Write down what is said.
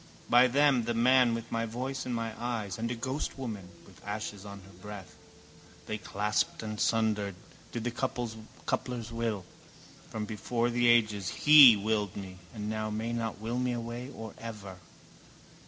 By them, the man with my voice and my eyes and a ghostwoman with ashes on her breath. They clasped and sundered, did the coupler's will. From before the ages He willed me and now may not will me away or ever.